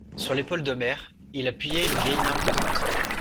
Sur l'épaule d'Omer, il appuyait une vieille main pesante.